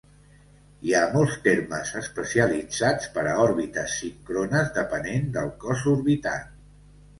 Hi ha molts termes especialitzats per a òrbites síncrones depenent del cos orbitat.